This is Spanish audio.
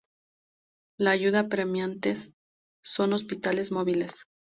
La ayuda apremiante son hospitales móviles".